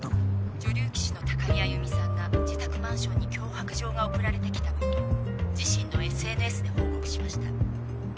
女流棋士の高城歩さんが自宅マンションに脅迫状が送られてきたことを自身のＳＮＳで報告しました。